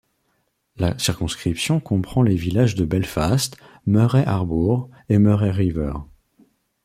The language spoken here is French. La circonscription comprend les villages de Belfast, Murray Harbour et Murray River.